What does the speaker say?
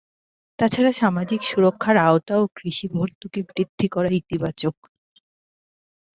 তা ছাড়া সামাজিক সুরক্ষার আওতা ও কৃষি ভর্তুকি বৃদ্ধি করা ইতিবাচক।